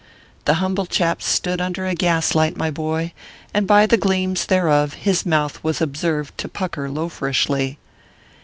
The humble chap stood under a gas light, my boy, and by the gleams thereof his mouth was observed to pucker loaferishly.